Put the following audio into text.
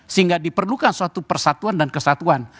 sehingga diperlukan suatu persatuan dan kesatuan